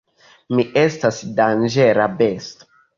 "Mi estas danĝera besto!"